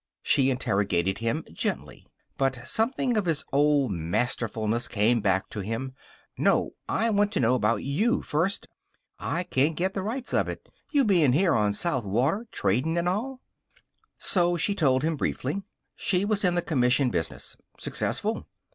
She interrogated him gently. But something of his old masterfulness came back to him. "No, I want to know about you first. I can't get the rights of it, you being here on South Water, tradin' and all." So she told him briefly. She was in the commission business. Successful.